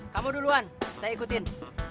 kamu duluan saya ikutin